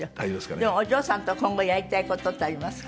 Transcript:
でもお嬢さんと今後やりたい事ってありますか？